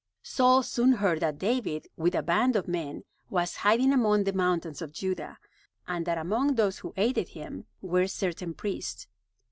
Saul soon heard that David, with a band of men, was hiding among the mountains of Judah, and that among those who aided him were certain priests.